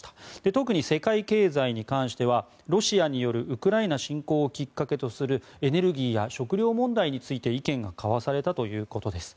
特に世界経済に関してはロシアによるウクライナ侵攻をきっかけとするエネルギーや食料問題について意見が交わされたということです。